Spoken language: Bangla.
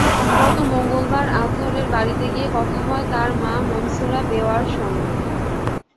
গত মঙ্গলবার আজহারের বাড়িতে গিয়ে কথা হয় তাঁর মা মনছুরা বেওয়ার সঙ্গে।